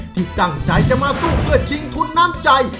ที่ตั้งใจจะมาสู้เพื่อชิงทุนน้ำใจ